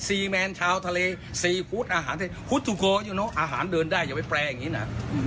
สี่แมนชาวทะเลสี่ฟุตอาหารฟุตทูโกอาหารเดินได้อย่าไปแปลอย่างนี้นะ